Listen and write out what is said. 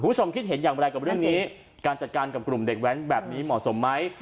คุณผู้ชมคิดเห็นอย่างไรกับเรื่องนี้การจัดการกับกลุ่มเด็กแว้นแบบนี้เหมาะสมไหม